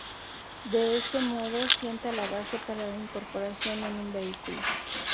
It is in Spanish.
De ese modo sienta la base para la incorporación en un vehículo.